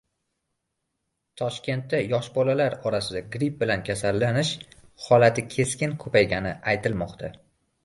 Toshkentda yosh bolalar orasida gripp bilan kasallanish holati keskin ko‘paygani aytilmoqda